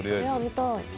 見たい！